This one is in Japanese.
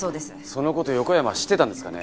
その事横山は知ってたんですかね？